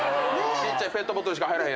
ちっちゃいペットボトルしか入らへんやつや。